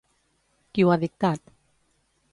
Qui ho ha dictat?